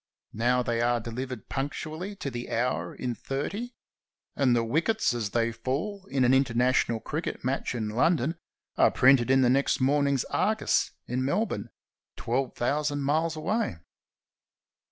Now they are delivered punctually to the hour in thirty; and the wickets, as they fall in an inter national cricket match in London, are printed in the next morning's ^' Argus" in Melbourne, twelve thousand miles away.